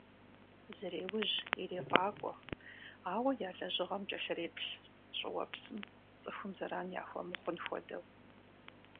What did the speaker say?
Зреужь, ирефӀакӀуэ, ауэ я лэжьыгъэм кӀэлъреплъ, щӀыуэпсым, цӀыхум зэран яхуэмыхъун хуэдэу.